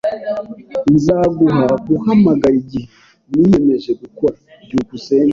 Nzaguha guhamagara igihe niyemeje gukora. byukusenge